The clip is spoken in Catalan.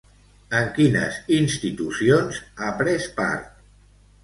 En quines institucions ha pres part?